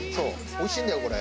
おいしいんだよこれ。